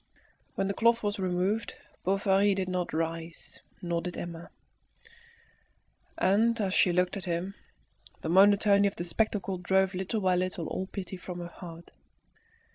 When the cloth was removed, Bovary did not rise, nor did Emma; and as she looked at him, the monotony of the spectacle drove little by little all pity from her heart.